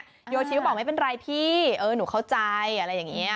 โยชิก็บอกไม่เป็นไรพี่เออหนูเข้าใจอะไรอย่างนี้